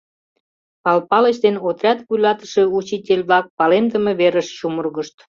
Пал Палыч ден отряд вуйлатыше учитель-влак палемдыме верыш чумыргышт.